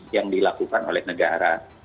yang dilakukan oleh negara